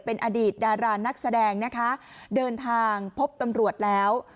เป็นอดีตดารานักแสดงนะคะเดินทางพบตำรวจแล้ว